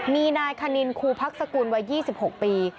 มีนายคณินครูพักสกุลวัย๒๖ปี